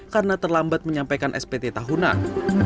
karena terlambat menyampaikan spt tahunan